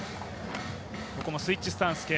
ここもスイッチスタンス系。